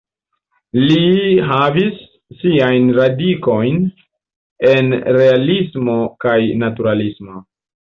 Li havis siajn radikojn en Realismo kaj Naturalismo.